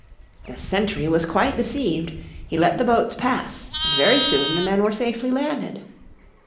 The sentry was quite deceived. He let the boats pass, and very soon the men were safely landed.